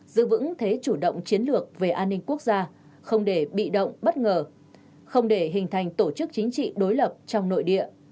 giữ vững thế chủ động chiến lược về an ninh quốc gia không để bị động bất ngờ không để hình thành tổ chức chính trị đối lập trong nội địa